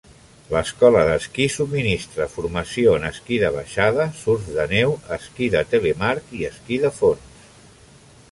L'escola d'esquí subministra formació en esquí de baixada, surf de neu, esquí de telemarc i esquí de fons.